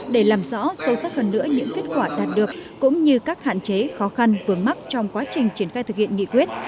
để làm rõ sâu sắc hơn nữa những kết quả đạt được cũng như các hạn chế khó khăn vướng mắt trong quá trình triển khai thực hiện nghị quyết